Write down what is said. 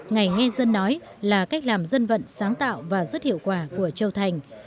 ngày nghe dân nói là cách làm dân vận sáng tạo và rất hiệu quả của châu thành